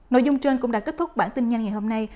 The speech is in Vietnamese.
nội dung trên cũng đã kết thúc bản tin nhanh ngày hôm nay